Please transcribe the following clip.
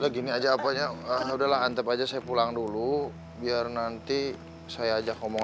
gini aja apanya udahlah antap aja saya pulang dulu biar nanti saya ajak ngomong